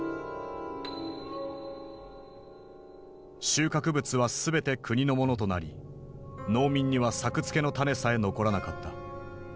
収穫物は全て国のものとなり農民には作付けの種さえ残らなかった。